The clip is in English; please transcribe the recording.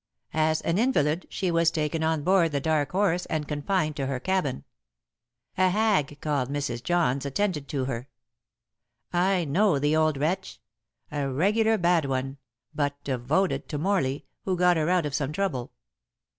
As an invalid she was taken on board The Dark Horse and confined to her cabin. A hag called Mrs. Johns attended to her. I know the old wretch. A regular bad one; but devoted to Morley, who got her out of some trouble."